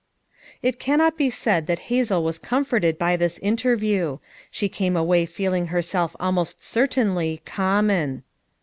It cannot be said that Hazel was comforted by this interview; she came away feeling her self almost certainly "common."